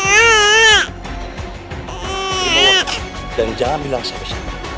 ibu jangan bilang sama sama